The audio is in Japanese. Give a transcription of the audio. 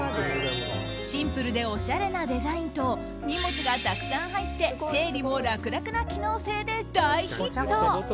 シンプルでおしゃれなデザインと荷物がたくさん入って整理も楽々な機能性で大ヒット。